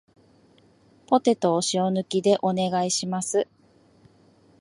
ポテトを塩抜きでお願いします